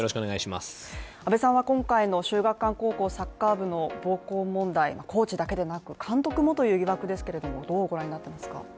安部さんは今回の秀岳館高校サッカー部の暴行問題コーチだけでなく、監督もということですがどうご覧になってますか？